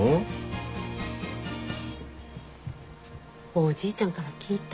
おじいちゃんから聞いた。